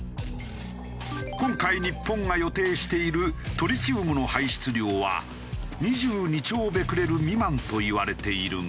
今回日本が予定しているトリチウムの排出量は２２兆ベクレル未満といわれているが。